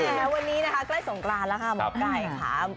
แม้วันนี้นะคะใกล้สงกรานแล้วค่ะหมอไก่ค่ะ